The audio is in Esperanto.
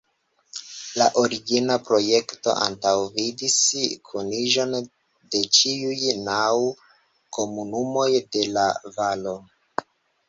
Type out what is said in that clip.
La origina projekto antaŭvidis kuniĝon de ĉiuj naŭ komunumoj de la valo.